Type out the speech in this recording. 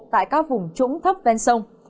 tại các vùng trũng thấp ven sông